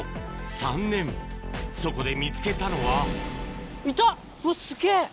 ３年そこで見つけたのはいた？